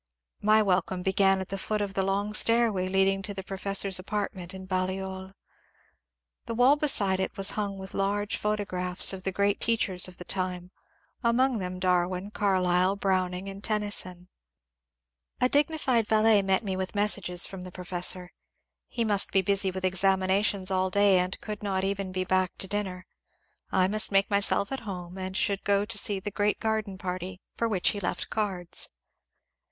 My welcome began at the foot of the long stairway leading to the professor's apartment in Balliol : the wall beside it was hung with large photographs of the great teachers of the time, among them Darwin, Carlyle, Browning, and Tennyson. A dignified valet met me with messages from the professor ; he must be busy with examinations all day, and could not even be back to dinner. I must make myself at home, and should go to the great garden party, for which he left cards.